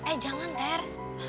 eh jangan ter